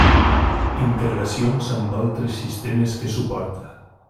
Integracions amb altres sistemes que suporta.